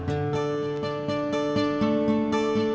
itu buat amin